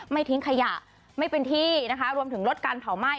ทิ้งขยะไม่เป็นที่นะคะรวมถึงลดการเผาไหม้